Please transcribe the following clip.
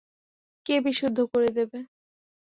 কে বিশুদ্ধ করে দেবে।